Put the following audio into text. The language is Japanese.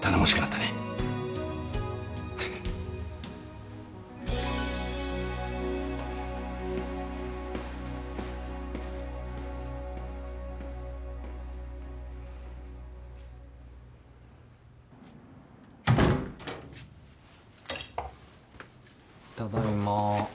ただいま。